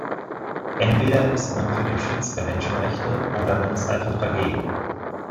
Entweder ist man für den Schutz der Menschenrechte oder man ist einfach dagegen.